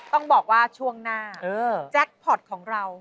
ต้องบอกว่าช่วงหน้าแจ็คพอร์ตของเรา